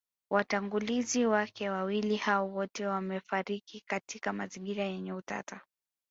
Watangulizi wake wawili hao wote wamefariki katika mazingira yenye utata